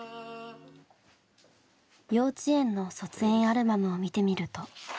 幼稚園の卒園アルバムを見てみると。